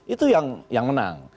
itu yang menang